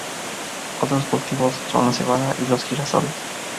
Otros cultivos son la cebada y los girasoles.